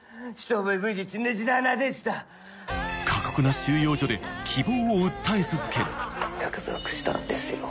過酷な収容所で希望を訴え続け約束したんですよ。